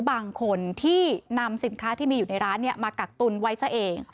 บางคนที่นำสินค้าที่มีอยู่ในร้านมากักตุนไว้ซะเอง